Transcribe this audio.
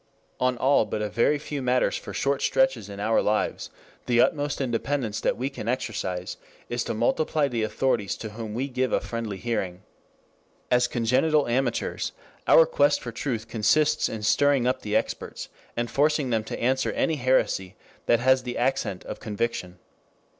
On all but a very few matters for short stretches in our lives, the utmost independence that we can exercise is to multiply the authorities to whom we give a friendly hearing. As congenital amateurs our quest for truth consists in stirring up the experts, and forcing them to answer any heresy that has the accent of conviction.